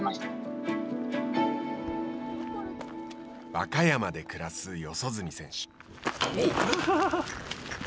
和歌山で暮らす四十住選手。